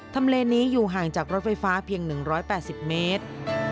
เลนี้อยู่ห่างจากรถไฟฟ้าเพียง๑๘๐เมตร